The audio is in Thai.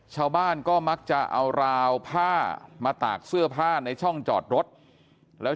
ชาวบ้านก็มักจะเอาราวผ้ามาตากเสื้อผ้าในช่องจอดรถแล้ว